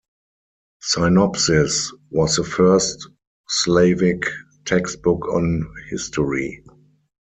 "Synopsis" was the first Slavic textbook on history.